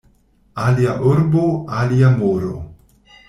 Alia urbo, alia moro.